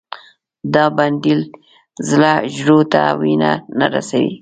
دا بندېدل زړه حجرو ته وینه نه رسوي.